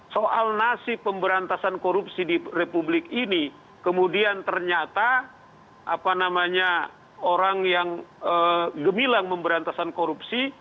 soal nasib pemberantasan korupsi di republik ini kemudian ternyata orang yang gemilang memberantasan korupsi